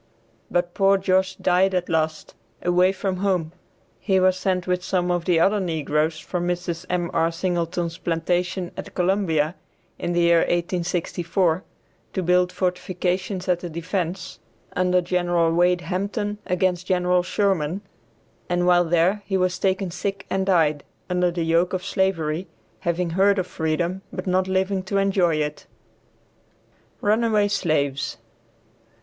But poor Josh died at last, away from home; he was sent with some of the other negroes from Mrs. M.R. Singleton's plantation at Columbia, in the year 1864, to build fortifications as a defence, under Gen. Wade Hampton against Gen. Sherman, and while there he was taken sick and died, under the yoke of slavery, having heard of freedom but not living to enjoy it. RUNAWAY SLAVES.